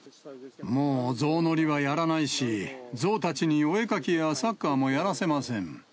もうゾウ乗りはやらないし、ゾウたちにお絵描きやサッカーもやらせません。